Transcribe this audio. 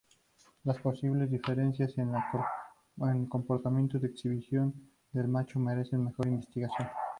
Las posibles diferencias en el comportamiento de exhibición del macho merecen mejor investigación.